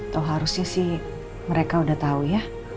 tau harusnya sih mereka udah tahu ya